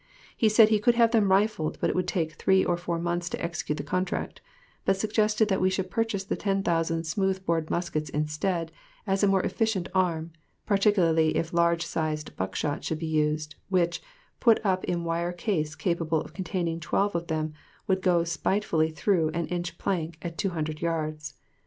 He said he could have them rifled, but it would take three or four months to execute the contract, but suggested that we should purchase the 10,000 smooth bored muskets instead, as a more efficient arm, particularly if large sized buckshot should be used, which, put up in wire case capable of containing 12 of them, would go spitefully through an inch plank at 200 yards.